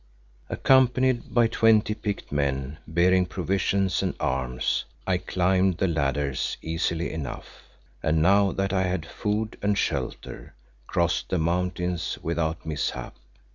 Accompanied by twenty picked men bearing provisions and arms, I climbed the ladders easily enough, and now that I had food and shelter, crossed the mountains without mishap.